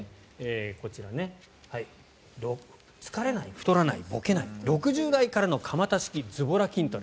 こちら「疲れない太らないボケない６０代からの鎌田式ズボラ筋トレ」。